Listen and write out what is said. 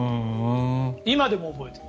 今でも覚えてる。